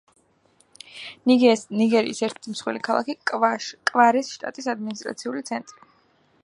ნიგერიის ერთ-ერთი მსხვილი ქალაქი, კვარის შტატის ადმინისტრაციული ცენტრი.